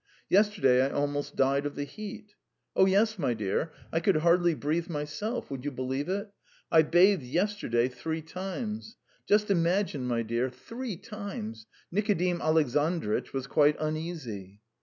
"Yesterday I almost died of the heat." "Oh, yes, my dear; I could hardly breathe myself. Would you believe it? I bathed yesterday three times! Just imagine, my dear, three times! Nikodim Alexandritch was quite uneasy."